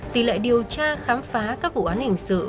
tỷ lệ điều tra khám phá các vụ án hình sự